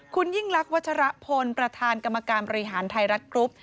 คุณยิ่งลักษวัชรพลประธานกรรมการบริหารไทยรัฐกรุ๊ป